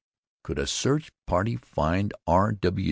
Could a search party find R.